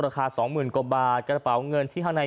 สองหมื่นกว่าบาทกระเป๋าเงินที่ข้างใน